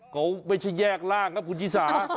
เขาไม่ใช่แยกร่างนะคุณชิสา